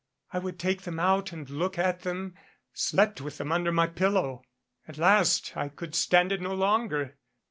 I would take them out and look at them. I slept with them under my pillow. At last I could stand it no longer.